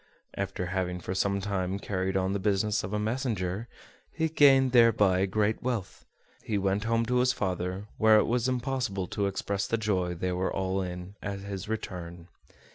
After having for some time carried on the business of a messenger, and gained thereby great wealth, he went home to his father, where it was impossible to express the joy they were all in at his return.